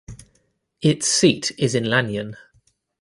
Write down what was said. Its seat is in Lannion.